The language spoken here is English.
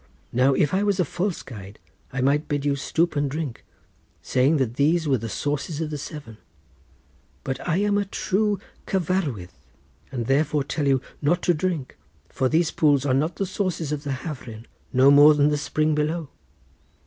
"Now, if I was a false guide I might bid you stoop and drink, saying that these were the sources of the Severn; but I am a true cyfarwydd and therefore tell you not to drink, for these pools are not the sources of the Hafren, no more than the spring below.